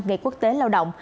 ngày quốc tế lao động